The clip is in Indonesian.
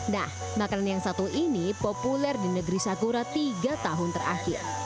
nah makanan yang satu ini populer di negeri sakura tiga tahun terakhir